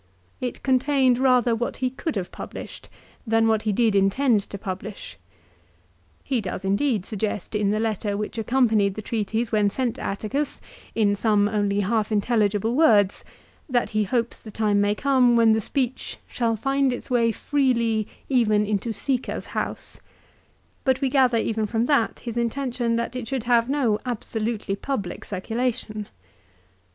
It contained rather what he could have published, than what he did intend to publish. He does indeed suggest, in the letter which accompanied the treatise when sent to Atticus, in some only half intelligible words, that he hopes the time may come when the speech "shall find its way freely even into Sica's house ;"* but we gather even from that his intention that it should have no absolutely public circulation.